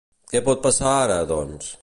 Què pot passar ara, doncs?